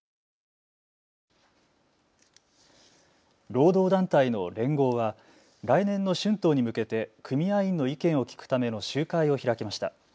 労働団体の連合は来年の春闘に向けて組合員の意見を聞くための集会を開きました。